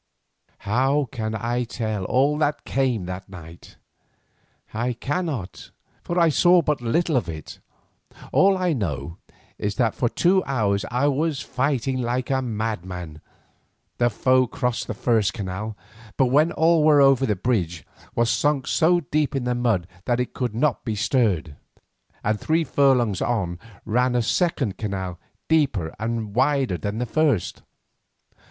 How can I tell all that came to pass that night? I cannot, for I saw but little of it. All I know is that for two hours I was fighting like a madman. The foe crossed the first canal, but when all were over the bridge was sunk so deep in the mud that it could not be stirred, and three furlongs on ran a second canal deeper and wider than the first.